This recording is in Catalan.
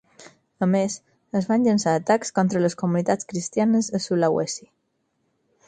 A més, es van llançar atacs contra les comunitats cristianes a Sulawesi.